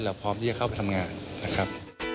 พร้อมที่จะเข้าไปทำงานนะครับ